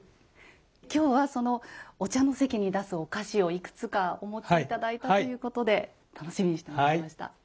今日はお茶の席に出すお菓子をいくつかお持ち頂いたということで楽しみにしてました。